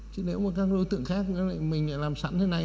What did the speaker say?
chứ nếu mà các đối tượng khác nói là mình lại làm sẵn thế này